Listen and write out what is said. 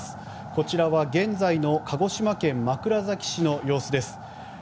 こちらは現在の鹿児島県枕崎市の様子です。